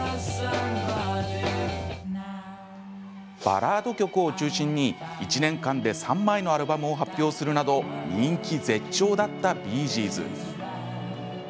バラード曲を中心に、１年間で３枚のアルバムを発表するなど人気絶頂だったビー・ジーズ。